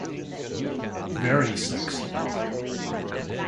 Very sexy.